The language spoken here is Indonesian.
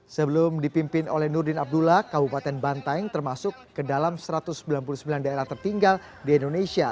sebelum dipimpin oleh nurdin abdullah kabupaten banteng termasuk ke dalam satu ratus sembilan puluh sembilan daerah tertinggal di indonesia